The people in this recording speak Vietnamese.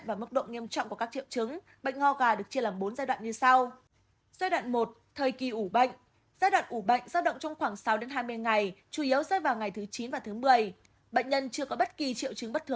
và mức độ nghiêm trọng của các triệu chứng bệnh hoa gà được chia làm bốn giai đoạn như sau